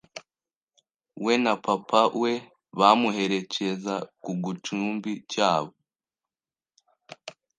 we na Papa we bamuherekeza ku gucumbi cyabo